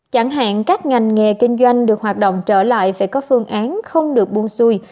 chẳng hạn các ngành nghề kinh doanh được hoạt động trở lại phải có phương án không được buôn xuôi